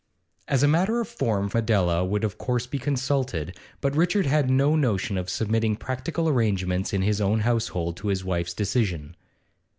As a matter of form Adela would of course be consulted, but Richard had no notion of submitting practical arrangements in his own household to his wife's decision.